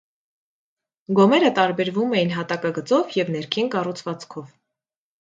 Գոմերը տարբերվում էին հատակագծով և ներքին կառուցվածքով։